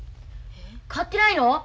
買ってないの？